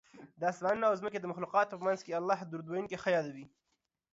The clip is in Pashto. د اسمانونو او ځمکې د مخلوقاتو په منځ کې الله درود ویونکی ښه یادوي